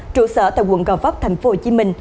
trụ sở tại quận gò vấp tp hcm